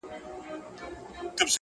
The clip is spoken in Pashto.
چي هم له ګل او هم له خاره سره لوبي کوي،